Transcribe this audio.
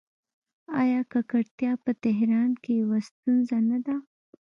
آیا ککړتیا په تهران کې یوه ستونزه نه ده؟